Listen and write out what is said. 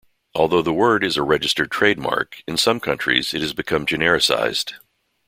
Although the word is a registered trademark, in some countries it has become genericised.